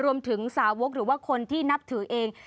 รวมถึงสาวกหรือว่าคนที่นับถือเอง